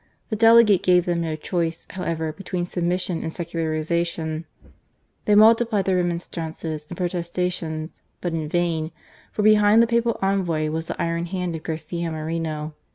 The delegate gave them no choice, however, between submission and secular ization. They multiplied their remonstrances and protestations, but in vain; for behind the Papal Envoy was the iron hand of Garcia Moreno.